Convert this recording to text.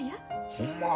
ほんま？